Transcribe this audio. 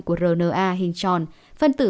của rna hình tròn phân tử